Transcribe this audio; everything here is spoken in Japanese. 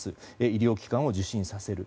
医療機関を受診させる。